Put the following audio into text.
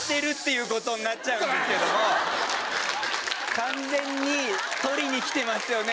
完全に取りにきてますよね